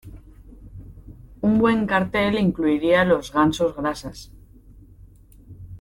Un buen cartel incluiría los Gansos Grasas.